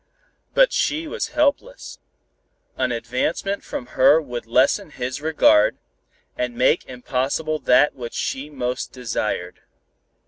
But she was helpless. An advancement from her would but lessen his regard, and make impossible that which she most desired.